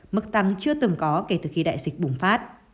mức tăng chưa từng có kể từ khi đại dịch bùng phát